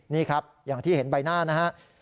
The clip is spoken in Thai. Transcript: นี่ครับอย่างที่เห็นใบหน้านะครับ